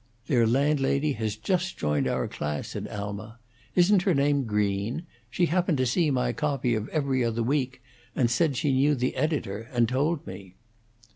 "Their landlady has just joined our class," said Alma. "Isn't her name Green? She happened to see my copy of 'Every Other Week', and said she knew the editor; and told me."